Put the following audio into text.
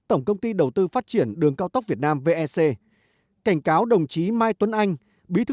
tổng công ty đầu tư phát triển đường cao tốc việt nam vec cảnh cáo đồng chí mai tuấn anh